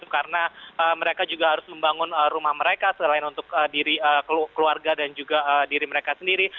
karena mereka juga harus membangun rumah mereka selain untuk diri keluarga dan juga diri mereka sendiri